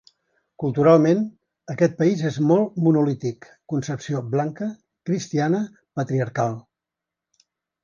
Culturalment, aquest país és molt monolític: concepció blanca, cristiana, patriarcal.